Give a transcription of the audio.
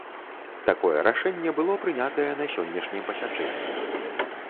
Такое рашэнне было прынятае на сённяшнім пасяджэнні.